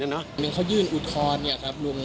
มันค่อยยื่นอุดคลอนครับลุง